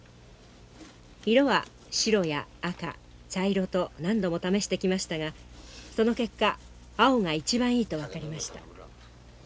色は白や赤茶色と何度も試してきましたがその結果青が一番いいと分かりました。